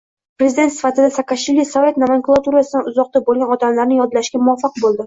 Prezident sifatida Saakashvili Sovet nomenklaturasidan uzoqda bo'lgan odamlarni yollashga muvaffaq bo'ldi